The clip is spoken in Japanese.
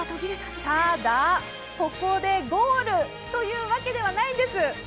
ただ、ここでゴールというわけではないんです。